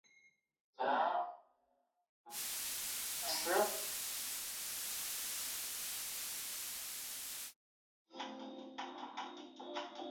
这种外表面的缺陷通常可以指出其生长线。